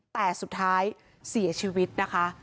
แต่สุดท้ายเสียชีวิตนะคะ